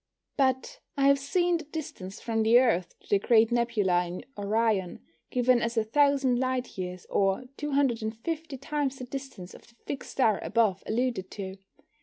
But I have seen the distance from the Earth to the Great Nebula in Orion given as a thousand light years, or 250 times the distance of the fixed star above alluded to.